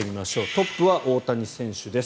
トップは大谷選手です。